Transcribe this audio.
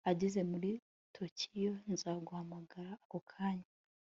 Ageze muri Tokiyo nzaguhamagara ako kanya